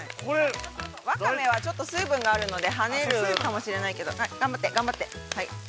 ワカメは水分があるので、跳ねるかもしれないけど、頑張って頑張って、はい。